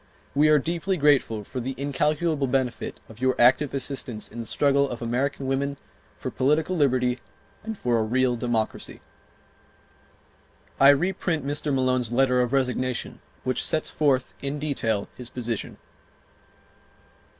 We are deeply grateful for the incalculable benefit of your active assistance in the struggle of American women for political liberty and for a real Democracy." I reprint Mr. Malone's letter of resignation which sets forth in detail his position.